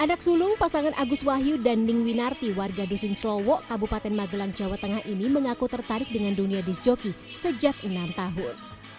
anak sulung pasangan agus wahyu dan ning winarti warga dusun celowo kabupaten magelang jawa tengah ini mengaku tertarik dengan dunia disc joki sejak enam tahun